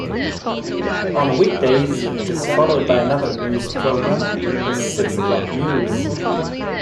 On weekdays it is followed by another news programme, the "Six O'Clock News".